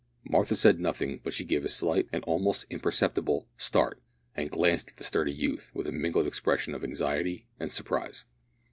Martha said nothing, but she gave a slight an almost imperceptible start, and glanced at the sturdy youth with a mingled expression of anxiety and surprise.